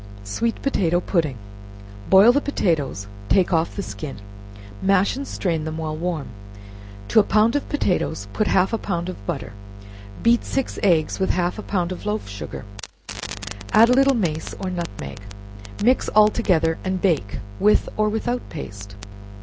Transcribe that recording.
Sweet Potato Pudding. Boil the potatoes, take off the skin, mash and strain them while warm; to a pound of potatoes put half a pound of butter; beat six eggs with half a pound of loaf sugar, add a little mace or nutmeg; mix all together, and bake with or without paste.